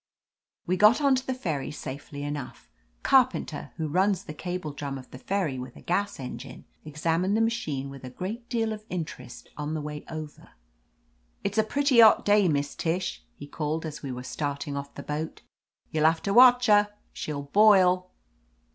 We got on to the ferry safely enough. Car penter, who nms the cable drum of the ferry with a gas engine, examined the machine with a great deal of interest on the way over. "It's a pretty hot day. Miss Tish," he called as we were starting off the boat. "You'll have to watch her; she'll boil."